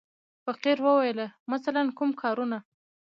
فقیر وویل: مثلاً کوم کارونه.